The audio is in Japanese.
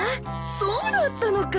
そうだったのか！